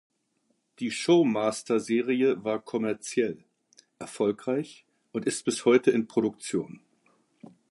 Die Showmaster-Serie war kommerziell erfolgreich und ist bis heute in Produktion.